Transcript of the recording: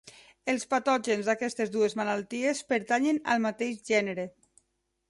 Els patògens d'aquestes dues malalties pertanyen al mateix gènere.